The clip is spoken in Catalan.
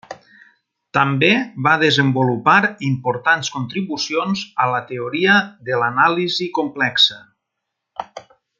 També va desenvolupar importants contribucions a la teoria de l'anàlisi complexa.